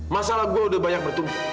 masalah gue udah banyak bertumbuh